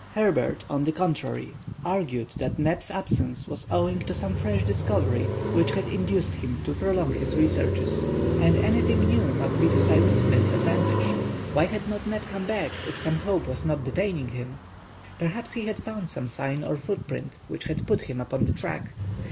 Herbert, on the contrary, argued that Neb's absence was owing to some fresh discovery which had induced him to prolong his researches. And anything new must be to Cyrus Smith's advantage. Why had not Neb come back, if some hope was not detaining him? Perhaps he had found some sign or footprint which had put him upon the track.